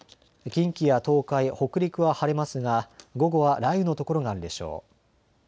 近畿や東海、北陸は晴れますが、午後は雷雨の所があるでしょう。